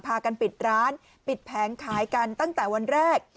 พากันปิดร้านปิดแผงขายกันตั้งแต่วันแรก